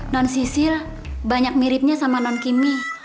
non sisil banyak miripnya sama non kimi